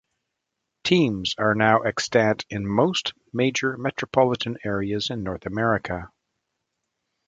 Teams are now extant in most major metropolitan areas in North America.